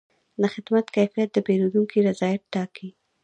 د خدمت کیفیت د پیرودونکي رضایت ټاکي.